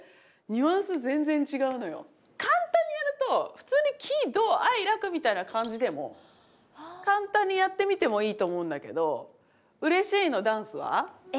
簡単にやると普通に喜・怒・哀・楽みたいな感じでも簡単にやってみてもいいと思うんだけどうれしいの「ｄａｎｃｅ」は？え？